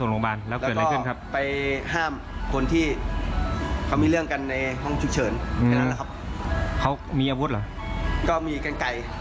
แล้วก็มาเจอคนที่ในห้องฉุกเฉิน